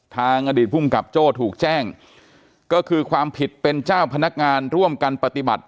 ทางอดีตภูมิกับโจ้ถูกแจ้งก็คือความผิดเป็นเจ้าพนักงานร่วมกันปฏิบัติ